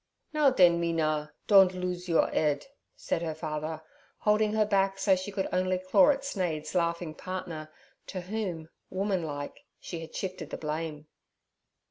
'Now den, Mina, dond looze yer 'ed' said her father, holding her back so that she could only claw at Snade's laughing partner, to whom, womanlike, she had shifted the blame.